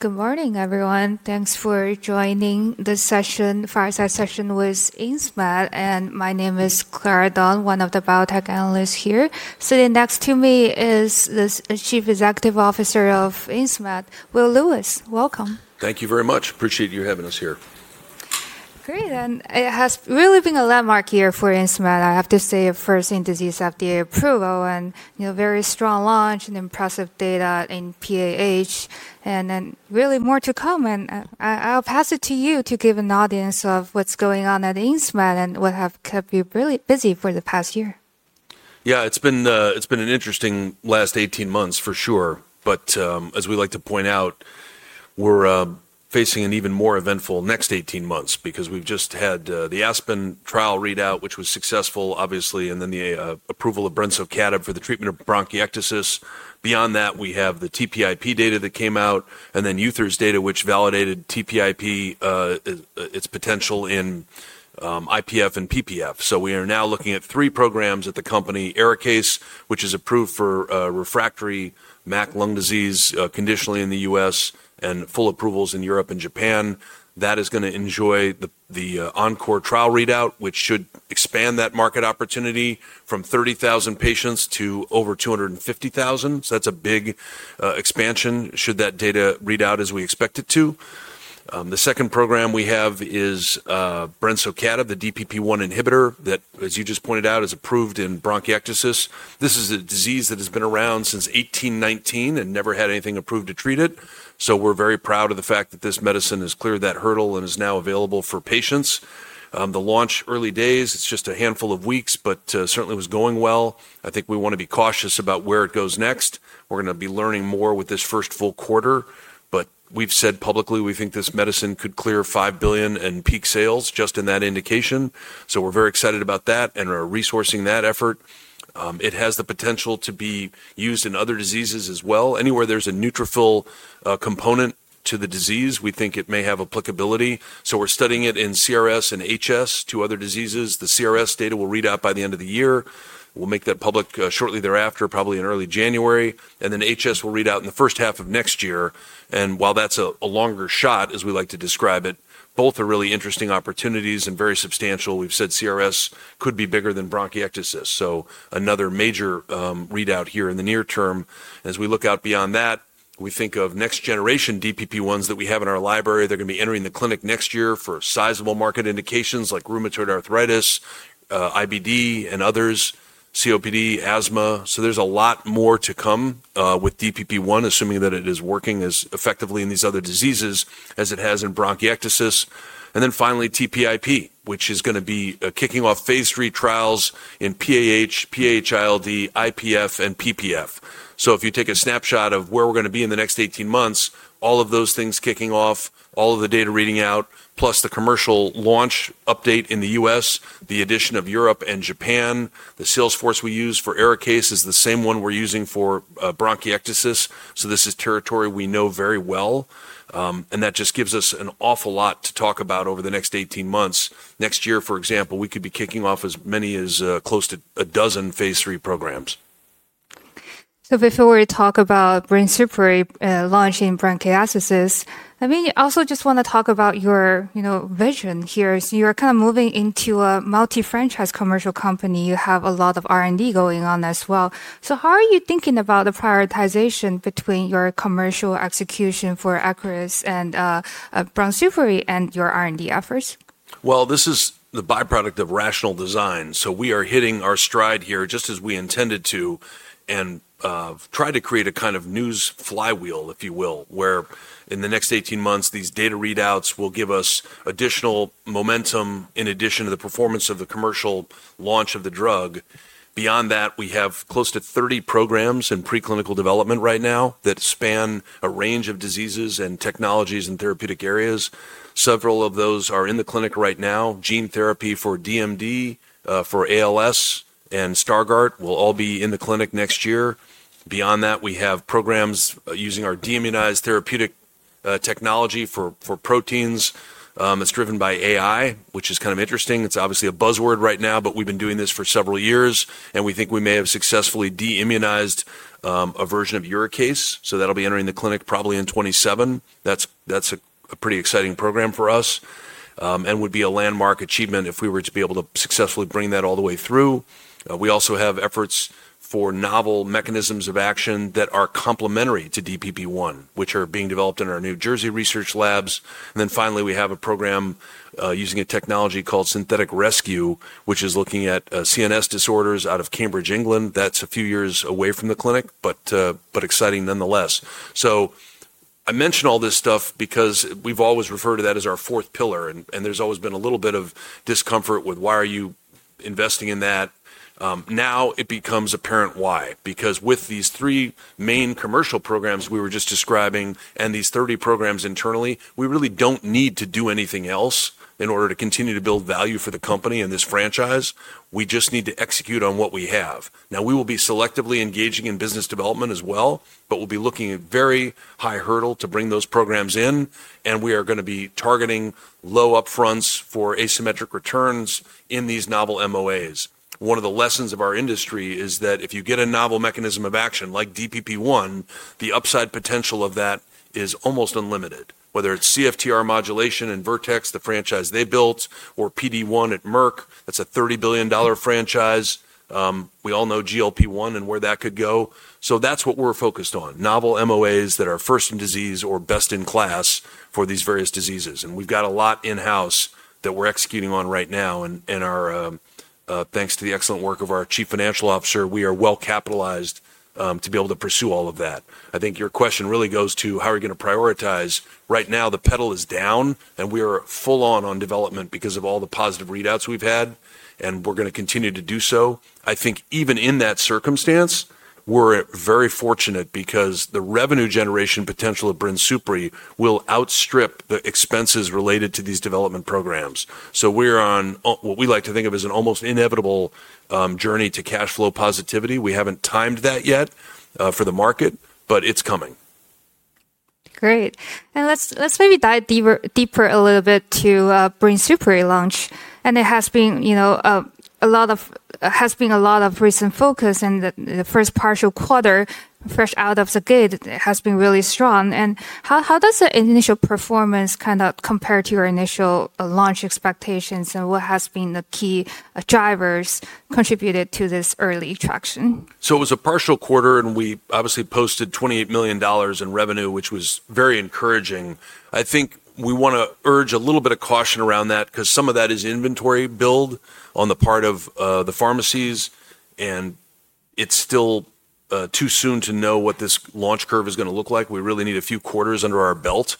Good morning, everyone. Thanks for joining the session with Insmed. My name is Clara Dong, one of the biotech analysts here. Sitting next to me is the Chief Executive Officer of Insmed, Will Lewis. Welcome. Thank you very much. Appreciate you having us here. Great. It has really been a landmark year for Insmed, I have to say, first in disease FDA approval and a very strong launch and impressive data in PAH. There is really more to come. I will pass it to you to give an audience of what is going on at Insmed and what have kept you busy for the past year. Yeah, it's been an interesting last 18 months, for sure. As we like to point out, we're facing an even more eventful next 18 months because we've just had the ASPEN trial readout, which was successful, obviously, and then the approval of brensocatib for the treatment of bronchiectasis. Beyond that, we have the TPIP data that came out, and then others data, which validated TPIP, its potential in IPF and PPF. We are now looking at three programs at the company, ARIKAYCE, which is approved for refractory MAC lung disease conditionally in the U.S. and full approvals in Europe and Japan. That is going to enjoy the ENCORE trial readout, which should expand that market opportunity from 30,000 patients to over 250,000. That's a big expansion should that data read out as we expect it to. The second program we have is brensocatib, the DPP-1 inhibitor that, as you just pointed out, is approved in bronchiectasis. This is a disease that has been around since 1819 and never had anything approved to treat it. We are very proud of the fact that this medicine has cleared that hurdle and is now available for patients. The launch early days, it is just a handful of weeks, but certainly was going well. I think we want to be cautious about where it goes next. We are going to be learning more with this first full quarter. We have said publicly we think this medicine could clear $5 billion in peak sales just in that indication. We are very excited about that and are resourcing that effort. It has the potential to be used in other diseases as well. Anywhere there's a neutrophil component to the disease, we think it may have applicability. So we're studying it in CRS and HS to other diseases. The CRS data will read out by the end of the year. We'll make that public shortly thereafter, probably in early January. HS will read out in the first half of next year. While that's a longer shot, as we like to describe it, both are really interesting opportunities and very substantial. We've said CRS could be bigger than bronchiectasis. Another major readout here in the near term. As we look out beyond that, we think of next generation DPP-1s that we have in our library. They're going to be entering the clinic next year for sizable market indications like rheumatoid arthritis, IBD, and others, COPD, asthma. There's a lot more to come with DPP-1, assuming that it is working as effectively in these other diseases as it has in bronchiectasis. Finally, TPIP, which is going to be kicking off phase three trials in PAH, PH-ILD, IPF, and PPF. If you take a snapshot of where we're going to be in the next 18 months, all of those things kicking off, all of the data reading out, plus the commercial launch update in the U.S., the addition of Europe and Japan, the Salesforce we use for Arikayce is the same one we're using for bronchiectasis. This is territory we know very well. That just gives us an awful lot to talk about over the next 18 months. Next year, for example, we could be kicking off as many as close to a dozen phase three programs. Before we talk about brensocatib launching in bronchiectasis, I mean, I also just want to talk about your vision here. You're kind of moving into a multi-franchise commercial company. You have a lot of R&D going on as well. How are you thinking about the prioritization between your commercial execution for Arikayce and brensocatib and your R&D efforts? This is the byproduct of rational design. We are hitting our stride here just as we intended to and try to create a kind of news flywheel, if you will, where in the next 18 months, these data readouts will give us additional momentum in addition to the performance of the commercial launch of the drug. Beyond that, we have close to 30 programs in preclinical development right now that span a range of diseases and technologies and therapeutic areas. Several of those are in the clinic right now. Gene therapy for DMD, for ALS, and Stargardt will all be in the clinic next year. Beyond that, we have programs using our deimmunized therapeutic technology for proteins. It's driven by AI, which is kind of interesting. It's obviously a buzzword right now, but we've been doing this for several years, and we think we may have successfully deimmunized a version of ARIKAYCE. That'll be entering the clinic probably in 2027. That's a pretty exciting program for us and would be a landmark achievement if we were to be able to successfully bring that all the way through. We also have efforts for novel mechanisms of action that are complementary to DPP-1, which are being developed in our New Jersey research labs. Finally, we have a program using a technology called Synthetic Rescue, which is looking at CNS disorders out of Cambridge, England. That's a few years away from the clinic, but exciting nonetheless. I mention all this stuff because we've always referred to that as our fourth pillar. There has always been a little bit of discomfort with, why are you investing in that? Now it becomes apparent why. Because with these three main commercial programs we were just describing and these 30 programs internally, we really do not need to do anything else in order to continue to build value for the company and this franchise. We just need to execute on what we have. We will be selectively engaging in business development as well, but we will be looking at a very high hurdle to bring those programs in. We are going to be targeting low upfronts for asymmetric returns in these novel MOAs. One of the lessons of our industry is that if you get a novel mechanism of action like DPP-1, the upside potential of that is almost unlimited, whether it is CFTR modulation in Vertex, the franchise they built, or PD-1 at Merck. That's a $30 billion franchise. We all know GLP-1 and where that could go. That is what we're focused on, novel MOAs that are first in disease or best in class for these various diseases. We have got a lot in-house that we're executing on right now. Thanks to the excellent work of our Chief Financial Officer, we are well capitalized to be able to pursue all of that. I think your question really goes to how are we going to prioritize. Right now, the pedal is down, and we are full on on development because of all the positive readouts we've had, and we're going to continue to do so. I think even in that circumstance, we're very fortunate because the revenue generation potential of Brinsupri will outstrip the expenses related to these development programs. We're on what we like to think of as an almost inevitable journey to cash flow positivity. We haven't timed that yet for the market, but it's coming. Great. Let's maybe dive deeper a little bit to Brinsupri launch. It has been a lot of recent focus in the first partial quarter, fresh out of the gate. It has been really strong. How does the initial performance kind of compare to your initial launch expectations and what has been the key drivers contributed to this early traction? It was a partial quarter, and we obviously posted $28 million in revenue, which was very encouraging. I think we want to urge a little bit of caution around that because some of that is inventory build on the part of the pharmacies. It is still too soon to know what this launch curve is going to look like. We really need a few quarters under our belt.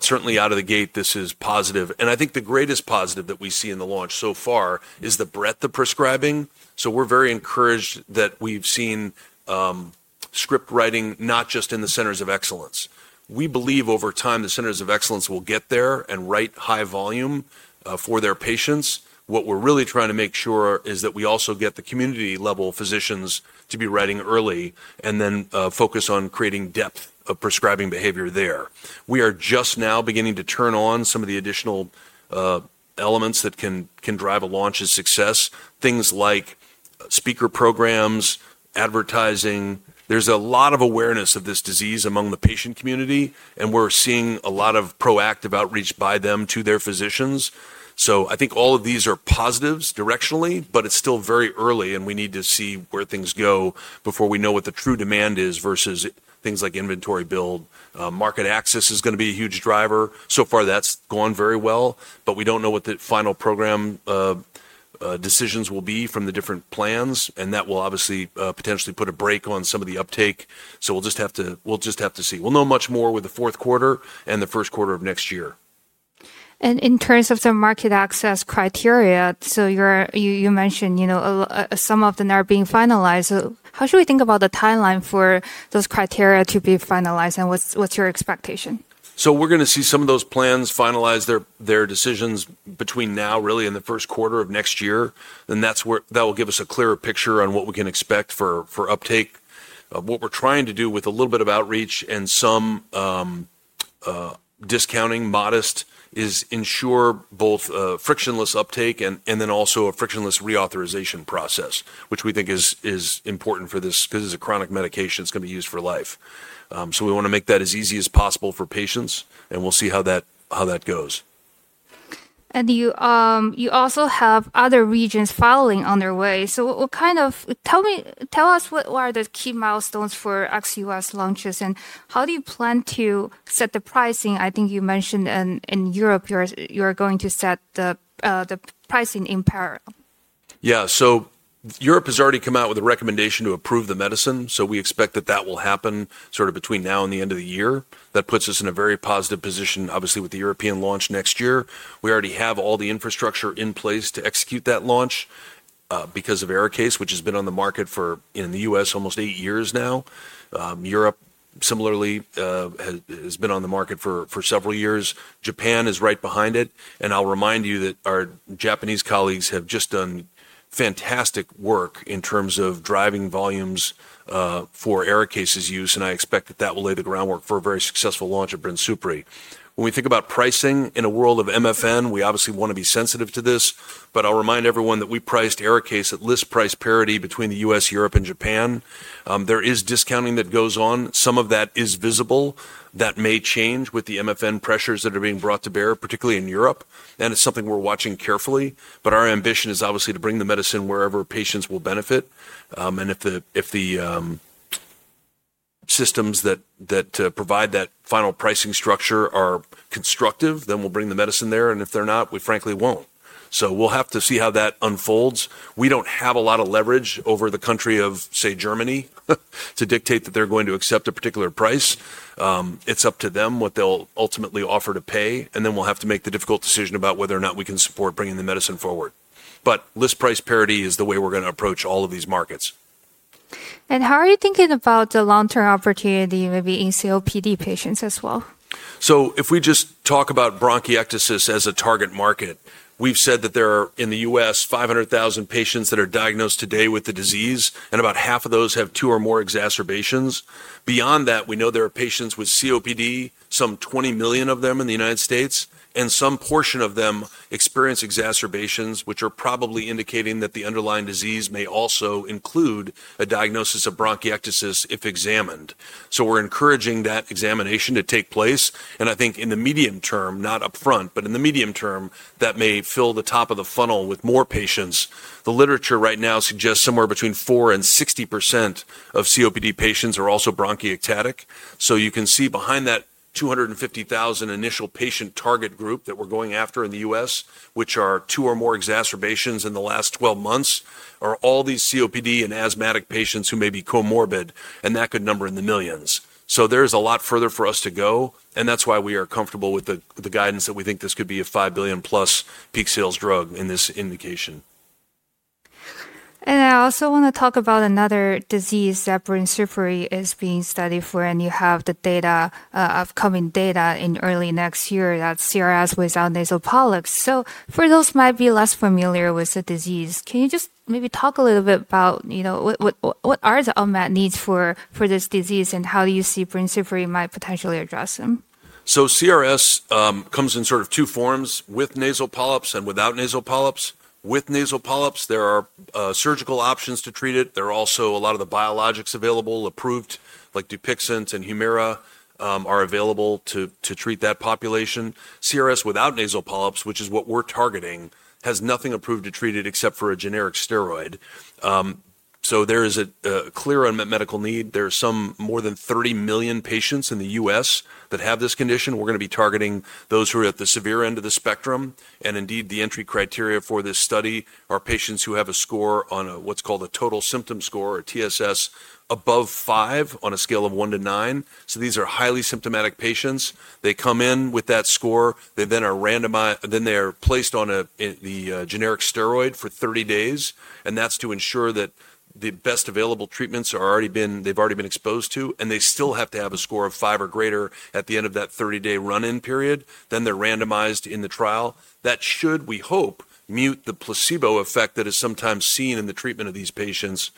Certainly out of the gate, this is positive. I think the greatest positive that we see in the launch so far is the breadth of prescribing. We are very encouraged that we have seen script writing not just in the centers of excellence. We believe over time the centers of excellence will get there and write high volume for their patients. What we're really trying to make sure is that we also get the community level physicians to be writing early and then focus on creating depth of prescribing behavior there. We are just now beginning to turn on some of the additional elements that can drive a launch's success, things like speaker programs, advertising. There is a lot of awareness of this disease among the patient community, and we're seeing a lot of proactive outreach by them to their physicians. I think all of these are positives directionally, but it's still very early, and we need to see where things go before we know what the true demand is versus things like inventory build. Market access is going to be a huge driver. So far, that's gone very well, but we do not know what the final program decisions will be from the different plans. That will obviously potentially put a brake on some of the uptake. We'll just have to see. We'll know much more with the fourth quarter and the first quarter of next year. In terms of the market access criteria, you mentioned some of them are being finalized. How should we think about the timeline for those criteria to be finalized and what's your expectation? We're going to see some of those plans finalize their decisions between now, really, and the first quarter of next year. That will give us a clearer picture on what we can expect for uptake. What we're trying to do with a little bit of outreach and some modest discounting is ensure both frictionless uptake and then also a frictionless reauthorization process, which we think is important for this because it's a chronic medication that's going to be used for life. We want to make that as easy as possible for patients, and we'll see how that goes. You also have other regions following on their way. What kind of tell us what are the key milestones for Arikayce launches and how do you plan to set the pricing? I think you mentioned in Europe you're going to set the pricing in parallel. Yeah, Europe has already come out with a recommendation to approve the medicine. We expect that will happen sort of between now and the end of the year. That puts us in a very positive position, obviously, with the European launch next year. We already have all the infrastructure in place to execute that launch because of Arikayce, which has been on the market in the U.S. for almost eight years now. Europe, similarly, has been on the market for several years. Japan is right behind it. I'll remind you that our Japanese colleagues have just done fantastic work in terms of driving volumes for Arikayce's use. I expect that will lay the groundwork for a very successful launch of Brinsupri. When we think about pricing in a world of MFN, we obviously want to be sensitive to this. I'll remind everyone that we priced Arikayce at list price parity between the U.S., Europe, and Japan. There is discounting that goes on. Some of that is visible. That may change with the MFN pressures that are being brought to bear, particularly in Europe. It is something we're watching carefully. Our ambition is obviously to bring the medicine wherever patients will benefit. If the systems that provide that final pricing structure are constructive, then we'll bring the medicine there. If they're not, we frankly won't. We have to see how that unfolds. We don't have a lot of leverage over the country of, say, Germany to dictate that they're going to accept a particular price. It's up to them what they'll ultimately offer to pay. We have to make the difficult decision about whether or not we can support bringing the medicine forward. List price parity is the way we're going to approach all of these markets. How are you thinking about the long-term opportunity maybe in COPD patients as well? If we just talk about bronchiectasis as a target market, we've said that there are in the U.S. 500,000 patients that are diagnosed today with the disease, and about half of those have two or more exacerbations. Beyond that, we know there are patients with COPD, some 20 million of them in the United States, and some portion of them experience exacerbations, which are probably indicating that the underlying disease may also include a diagnosis of bronchiectasis if examined. We're encouraging that examination to take place. I think in the medium term, not upfront, but in the medium term, that may fill the top of the funnel with more patients. The literature right now suggests somewhere between 4%-60% of COPD patients are also bronchiectatic. You can see behind that 250,000 initial patient target group that we're going after in the U.S., which are two or more exacerbations in the last 12 months, are all these COPD and asthmatic patients who may be comorbid. That could number in the millions. There is a lot further for us to go. That's why we are comfortable with the guidance that we think this could be a $5 billion-plus peak sales drug in this indication. I also want to talk about another disease that Brinsupri is being studied for, and you have the data, upcoming data in early next year, that CRS without nasal polyps. For those who might be less familiar with the disease, can you just maybe talk a little bit about what are the unmet needs for this disease and how do you see Brinsupri might potentially address them? CRS comes in sort of two forms, with nasal polyps and without nasal polyps. With nasal polyps, there are surgical options to treat it. There are also a lot of the biologics available, approved, like Dupixent and Humira are available to treat that population. CRS without nasal polyps, which is what we're targeting, has nothing approved to treat it except for a generic steroid. There is a clear unmet medical need. There are more than 30 million patients in the U.S. that have this condition. We're going to be targeting those who are at the severe end of the spectrum. Indeed, the entry criteria for this study are patients who have a score on what's called a total symptom score, or TSS, above 5 on a scale of 1 to 9. These are highly symptomatic patients. They come in with that score. They then are randomized. They are placed on the generic steroid for 30 days. That is to ensure that the best available treatments have already been, they've already been exposed to. They still have to have a score of 5 or greater at the end of that 30-day run-in period. They are randomized in the trial. That should, we hope, mute the placebo effect that is sometimes seen in the treatment of these patients.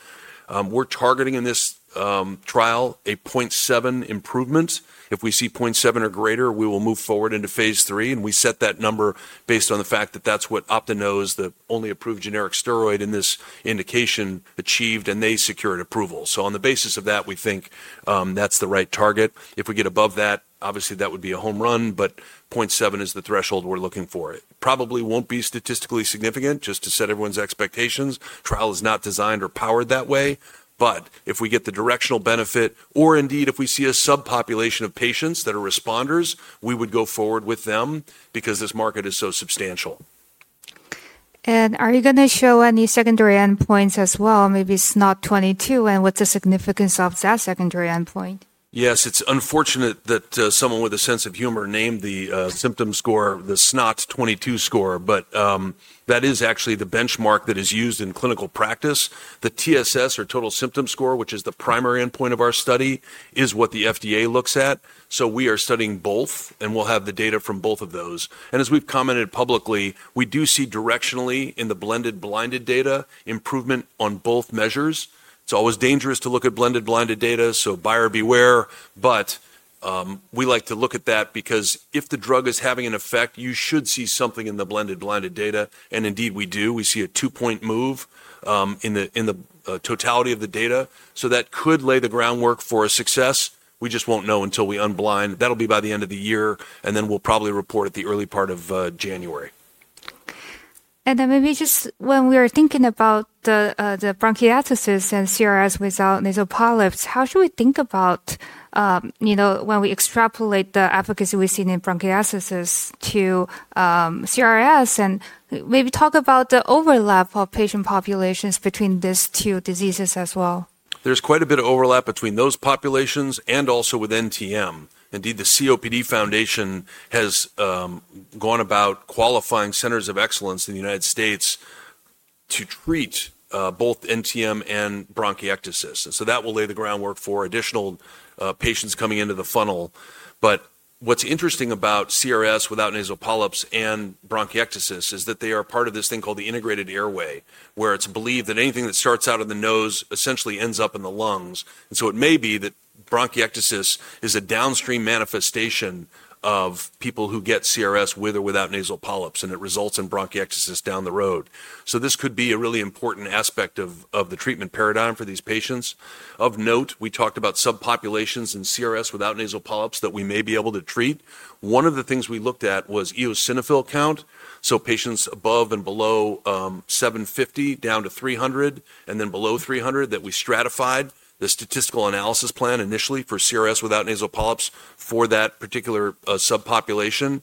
We are targeting in this trial a 0.7 improvement. If we see 0.7 or greater, we will move forward into phase three. We set that number based on the fact that that is what Opdenose, the only approved generic steroid in this indication, achieved, and they secured approval. On the basis of that, we think that is the right target. If we get above that, obviously, that would be a home run, but 0.7 is the threshold we're looking for. It probably won't be statistically significant just to set everyone's expectations. The trial is not designed or powered that way. If we get the directional benefit, or indeed if we see a subpopulation of patients that are responders, we would go forward with them because this market is so substantial. Are you going to show any secondary endpoints as well? Maybe SNOT-22 and what's the significance of that secondary endpoint? Yes, it's unfortunate that someone with a sense of humor named the symptom score the SNOT-22 score, but that is actually the benchmark that is used in clinical practice. The TSS, or total symptom score, which is the primary endpoint of our study, is what the FDA looks at. We are studying both, and we'll have the data from both of those. As we've commented publicly, we do see directionally in the blended blinded data improvement on both measures. It's always dangerous to look at blended blinded data, so buyer beware. We like to look at that because if the drug is having an effect, you should see something in the blended blinded data. Indeed, we do. We see a two-point move in the totality of the data. That could lay the groundwork for a success. We just won't know until we unblind. That'll be by the end of the year, and then we'll probably report at the early part of January. Maybe just when we are thinking about the bronchiectasis and CRS without nasal polyps, how should we think about when we extrapolate the efficacy we've seen in bronchiectasis to CRS? Maybe talk about the overlap of patient populations between these two diseases as well. There's quite a bit of overlap between those populations and also with NTM. Indeed, the COPD Foundation has gone about qualifying centers of excellence in the United States to treat both NTM and bronchiectasis. That will lay the groundwork for additional patients coming into the funnel. What's interesting about CRS without nasal polyps and bronchiectasis is that they are part of this thing called the integrated airway, where it's believed that anything that starts out of the nose essentially ends up in the lungs. It may be that bronchiectasis is a downstream manifestation of people who get CRS with or without nasal polyps, and it results in bronchiectasis down the road. This could be a really important aspect of the treatment paradigm for these patients. Of note, we talked about subpopulations in CRS without nasal polyps that we may be able to treat. One of the things we looked at was eosinophil count. Patients above and below 750, down to 300, and then below 300 that we stratified the statistical analysis plan initially for CRS without nasal polyps for that particular subpopulation.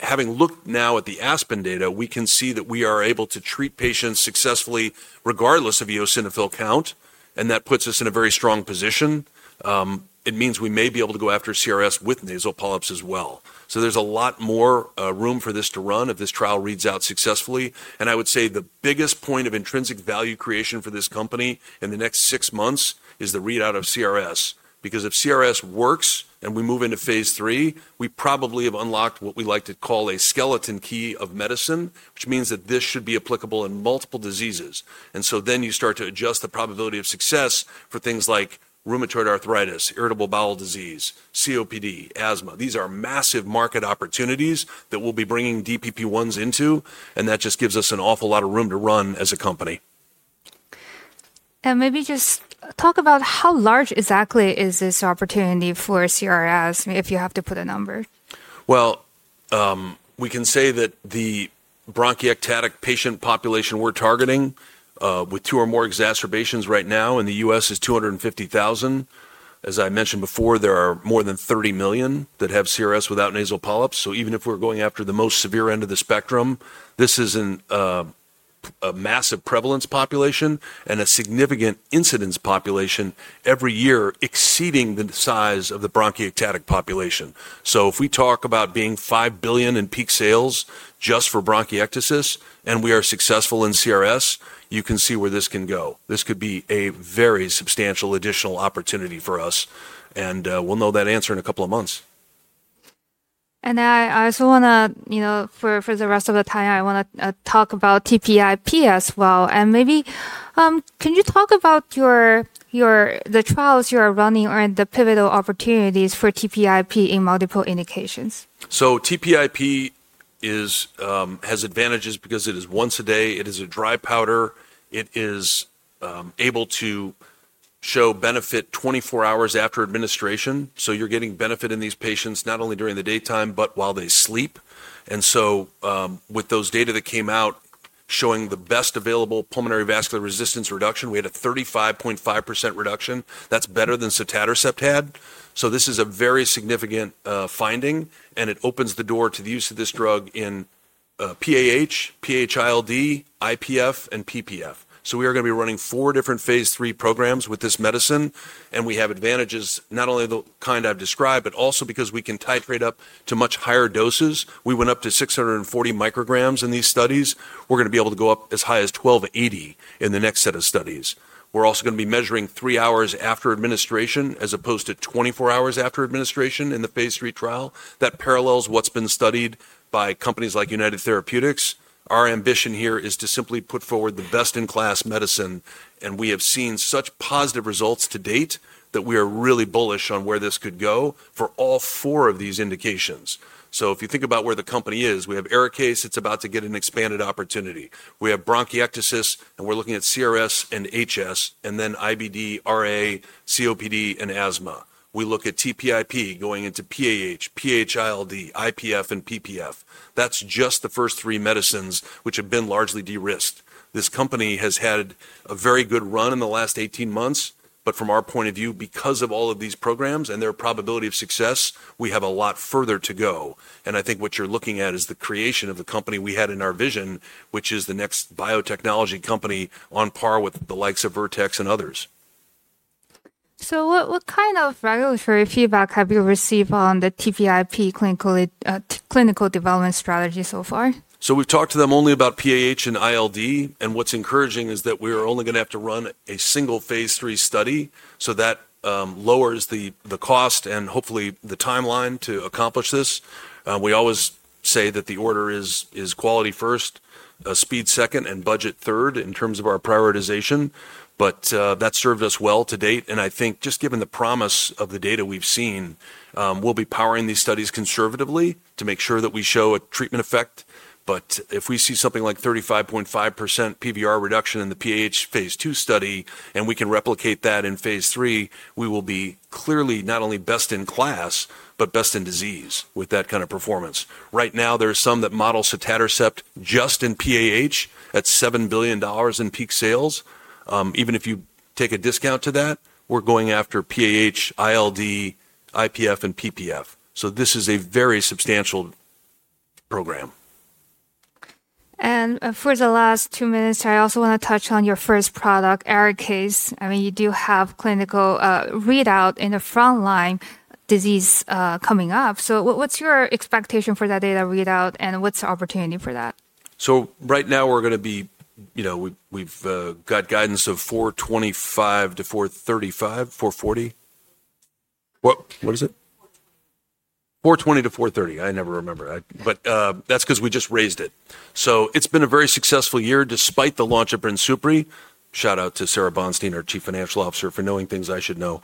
Having looked now at the Aspen data, we can see that we are able to treat patients successfully regardless of eosinophil count. That puts us in a very strong position. It means we may be able to go after CRS with nasal polyps as well. There is a lot more room for this to run if this trial reads out successfully. I would say the biggest point of intrinsic value creation for this company in the next six months is the readout of CRS. Because if CRS works and we move into phase three, we probably have unlocked what we like to call a skeleton key of medicine, which means that this should be applicable in multiple diseases. You start to adjust the probability of success for things like rheumatoid arthritis, irritable bowel disease, COPD, asthma. These are massive market opportunities that we'll be bringing DPP-1s into. That just gives us an awful lot of room to run as a company. Maybe just talk about how large exactly is this opportunity for CRS, if you have to put a number? We can say that the bronchiectatic patient population we're targeting with two or more exacerbations right now in the U.S. is 250,000. As I mentioned before, there are more than 30 million that have CRS without nasal polyps. Even if we're going after the most severe end of the spectrum, this is a massive prevalence population and a significant incidence population every year exceeding the size of the bronchiectatic population. If we talk about being $5 billion in peak sales just for bronchiectasis and we are successful in CRS, you can see where this can go. This could be a very substantial additional opportunity for us. We'll know that answer in a couple of months. I also want to, for the rest of the time, talk about TPIP as well. Maybe can you talk about the trials you are running or the pivotal opportunities for TPIP in multiple indications? TPIP has advantages because it is once a day. It is a dry powder. It is able to show benefit 24 hours after administration. You are getting benefit in these patients not only during the daytime, but while they sleep. With those data that came out showing the best available pulmonary vascular resistance reduction, we had a 35.5% reduction. That is better than catetersept had. This is a very significant finding. It opens the door to the use of this drug in PAH, PH-ILD, IPF, and PPF. We are going to be running four different phase three programs with this medicine. We have advantages not only of the kind I have described, but also because we can titrate up to much higher doses. We went up to 640 micrograms in these studies. We're going to be able to go up as high as 1280 in the next set of studies. We're also going to be measuring three hours after administration as opposed to 24 hours after administration in the phase three trial. That parallels what's been studied by companies like United Therapeutics. Our ambition here is to simply put forward the best-in-class medicine. We have seen such positive results to date that we are really bullish on where this could go for all four of these indications. If you think about where the company is, we have Arikayce. It's about to get an expanded opportunity. We have bronchiectasis. We're looking at CRS and HS, and then IBD, RA, COPD, and asthma. We look at TPIP going into PAH, PH-ILD, IPF, and PPF. That's just the first three medicines which have been largely de-risked. This company has had a very good run in the last 18 months. From our point of view, because of all of these programs and their probability of success, we have a lot further to go. I think what you're looking at is the creation of the company we had in our vision, which is the next biotechnology company on par with the likes of Vertex and others. What kind of regulatory feedback have you received on the TPIP clinical development strategy so far? We have talked to them only about PAH and ILD. What is encouraging is that we are only going to have to run a single phase three study. That lowers the cost and hopefully the timeline to accomplish this. We always say that the order is quality first, speed second, and budget third in terms of our prioritization. That has served us well to date. I think just given the promise of the data we have seen, we will be powering these studies conservatively to make sure that we show a treatment effect. If we see something like 35.5% PBR reduction in the PAH phase two study, and we can replicate that in phase three, we will be clearly not only best in class, but best in disease with that kind of performance. Right now, there are some that model treprostinil just in PAH at $7 billion in peak sales. Even if you take a discount to that, we're going after PAH, ILD, IPF, and PPF. This is a very substantial program. For the last two minutes, I also want to touch on your first product, Arikayce. I mean, you do have clinical readout in the front line disease coming up. What is your expectation for that data readout and what is the opportunity for that? Right now, we're going to be we've got guidance of $425 million-$435 million, $440 million. What is it? $420 million-$430 million. I never remember. That's because we just raised it. It's been a very successful year despite the launch of Brinsupri. Shout out to Sara Bonstein, our Chief Financial Officer, for knowing things I should know.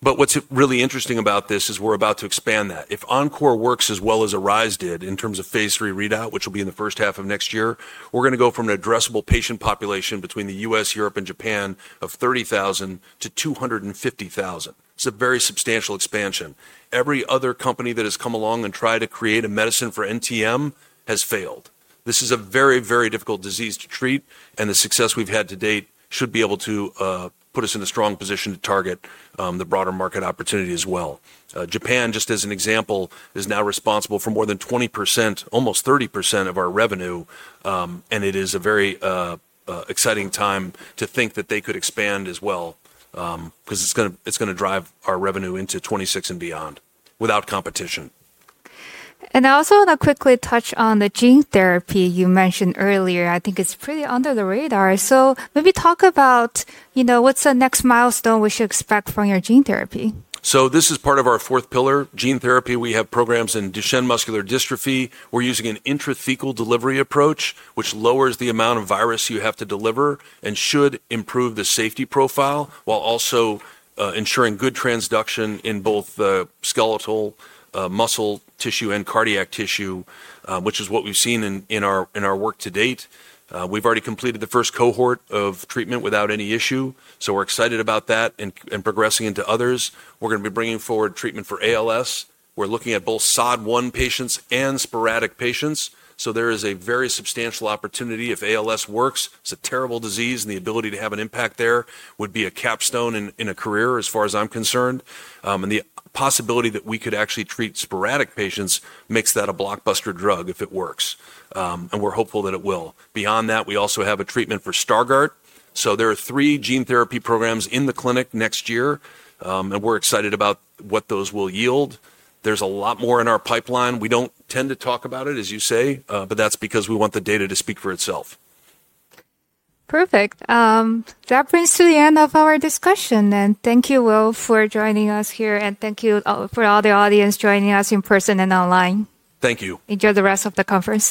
What's really interesting about this is we're about to expand that. If ENCORE works as well as ARISE did in terms of phase 3 readout, which will be in the first half of next year, we're going to go from an addressable patient population between the U.S., Europe, and Japan of 30,000 to 250,000. It's a very substantial expansion. Every other company that has come along and tried to create a medicine for NTM has failed. This is a very, very difficult disease to treat. The success we've had to date should be able to put us in a strong position to target the broader market opportunity as well. Japan, just as an example, is now responsible for more than 20%, almost 30% of our revenue. It is a very exciting time to think that they could expand as well because it's going to drive our revenue into 2026 and beyond without competition. I also want to quickly touch on the gene therapy you mentioned earlier. I think it's pretty under the radar. Maybe talk about what's the next milestone we should expect from your gene therapy? This is part of our fourth pillar, gene therapy. We have programs in Duchenne muscular dystrophy. We're using an intrathecal delivery approach, which lowers the amount of virus you have to deliver and should improve the safety profile while also ensuring good transduction in both skeletal muscle tissue and cardiac tissue, which is what we've seen in our work to date. We've already completed the first cohort of treatment without any issue. We're excited about that and progressing into others. We're going to be bringing forward treatment for ALS. We're looking at both SOD1 patients and sporadic patients. There is a very substantial opportunity if ALS works. It's a terrible disease, and the ability to have an impact there would be a capstone in a career as far as I'm concerned. The possibility that we could actually treat sporadic patients makes that a blockbuster drug if it works. We are hopeful that it will. Beyond that, we also have a treatment for Stargardt. There are three gene therapy programs in the clinic next year. We are excited about what those will yield. There is a lot more in our pipeline. We do not tend to talk about it, as you say, but that is because we want the data to speak for itself. Perfect. That brings to the end of our discussion. Thank you all for joining us here. Thank you for all the audience joining us in person and online. Thank you. Enjoy the rest of the conference.